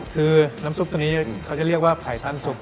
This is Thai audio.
คือน้ำสูปตัวนี้เรียกว่าไผ่ท่านสุข